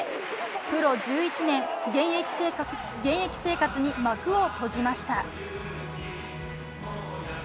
プロ１１年、現役生活に幕を閉じました。